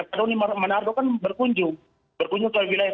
pak doni menardo kan berkunjung berkunjung ke wilayah